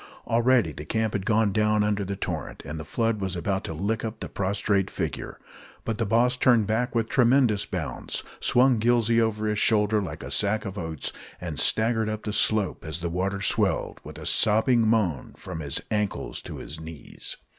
Already the camp had gone down under the torrent, and the flood was about to lick up the prostrate figure; but the boss turned back with tremendous bounds, swung Gillsey over his shoulder like a sack of oats, and staggered up the slope, as the water swelled, with a sobbing moan, from his ankles to his knees.